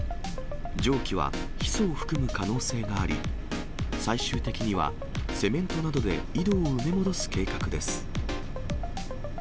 蒸気はヒ素を含む可能性があり、最終的にはセメントなどで井戸を埋め戻す計画です。